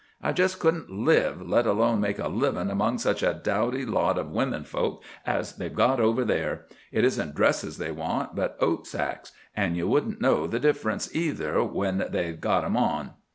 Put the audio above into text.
I just couldn't live, let alone make a living, among such a dowdy lot of women folk as they've got over there. It isn't dresses they want, but oat sacks, and you wouldn't know the difference, either, when they'd got them on."